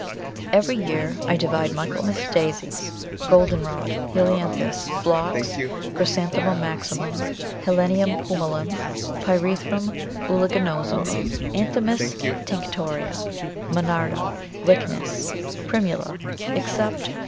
Every year I divide Michaelmas Daisies, Goldenrod, Helianthus, Phlox, Chrysanthemum maximum, Helenium pumilum, Pyrethrum uliginosum, Anthemis tinctoria, Monarda, Lychnis, Primula, except _P.